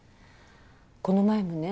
この前もね